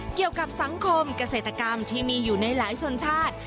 เกี่ยวกับสังคมเกษตรกรรมที่มีอยู่ในหลายชนชาติ